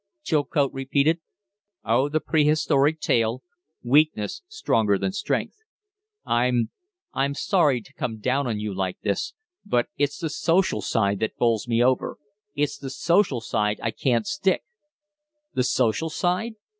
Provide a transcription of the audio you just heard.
Chilcote repeated. "Oh, the prehistoric tale weakness stronger than strength. I'm I'm sorry to come down on you like this, but it's the social side that bowls me over. It's the social side I can't stick." "The social side?